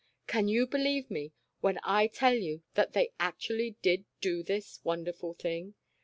Can you believe me when I tell you that they actually did do this wonderful thing?